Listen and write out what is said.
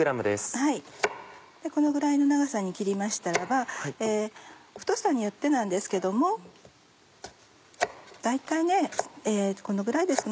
このぐらいの長さに切りましたら太さによってなんですけども大体このぐらいですね